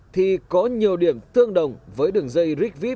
thì có nhiều điểm tương đồng với đường dây rigvis